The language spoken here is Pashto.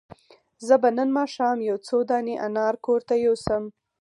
زه به نن ماښام یو څو دانې انار کور ته یوسم.